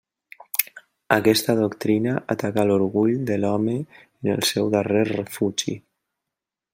Aquesta doctrina ataca l'orgull de l'home en el seu darrer refugi.